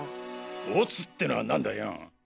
「乙」ってのは何だよ？